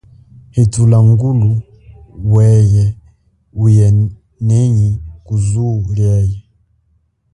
Hithula ngulu weye uye nenyi kuzuo lie.